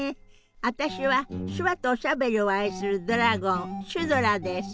私は手話とおしゃべりを愛するドラゴンシュドラです。